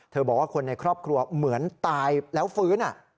บอกว่าคนในครอบครัวเหมือนตายแล้วฟื้น